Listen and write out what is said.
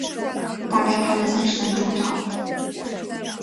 大概拍了三十分钟照